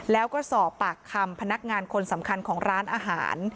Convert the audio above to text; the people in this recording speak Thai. แล้วก็สอบปากคำพนักงานคนสำคัญของร้านอาหาร